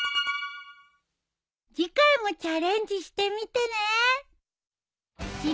次回もチャレンジしてみてね。